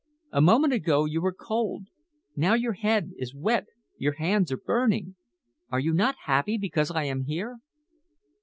A moment ago you were cold. Now your head is wet, your hands are burning. Are you not happy because I am here?"